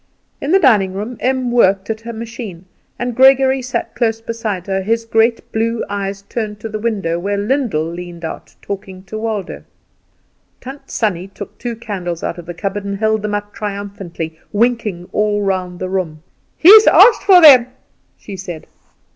In the dining room Em worked at her machine, and Gregory sat close beside her, his great blue eyes turned to the window where Lyndall leaned out talking to Waldo. Tant Sannie took two candles out of the cupboard and held them up triumphantly, winking all round the room. "He's asked for them," she said.